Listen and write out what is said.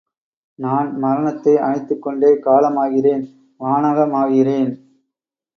நான் மரணத்தை அணைத்துக் கொண்டே காலமாகிறேன் வானகமாகிறேன்.